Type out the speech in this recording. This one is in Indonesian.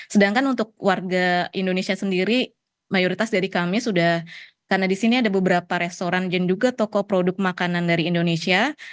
sedangkan untuk warga indonesia sendiri mayoritas dari kami sudah karena di sini ada beberapa restoran dan juga toko produk makanan dari indonesia